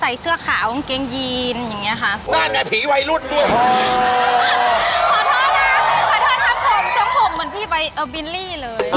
โอ้โฮยูสาวแวะมาทางนี้